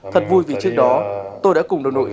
thật vui vì trước đó tôi đã cùng đồng đội